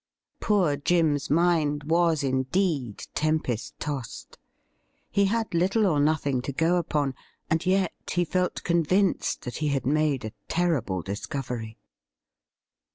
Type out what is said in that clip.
Poor Jim's mind was indeed tempest tossed. He had little or nothing to go upon, and yet he felt convinced that he had made a terrible discovery.